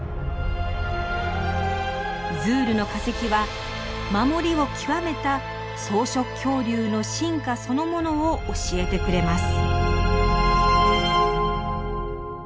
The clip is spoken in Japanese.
ズールの化石は守りを極めた草食恐竜の進化そのものを教えてくれます。